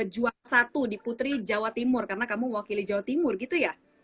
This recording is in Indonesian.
juang satu di putri jawa timur karena kamu mewakili jawa timur gitu ya